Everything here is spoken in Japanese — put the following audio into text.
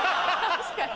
確かに！